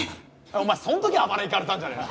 お前その時あばらいかれたんじゃねえの？